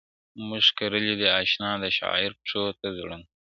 موږه كرلي دي اشنا دشاعر پښو ته زړونه.